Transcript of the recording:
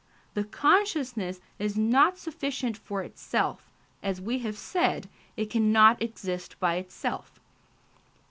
The consciousness is not sufficient for itself; as we have said, it cannot exist by itself.